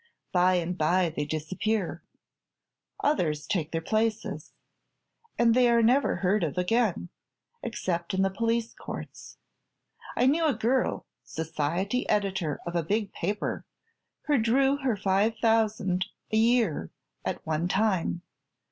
By and by they disappear; others take their places, and they are never heard of again except in the police courts. I knew a girl, society editor of a big paper, who drew her five thousand a year, at one time.